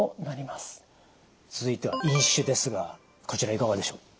続いては飲酒ですがこちらいかがでしょう？